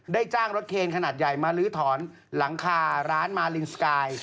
จ้างรถเคนขนาดใหญ่มาลื้อถอนหลังคาร้านมาลินสกาย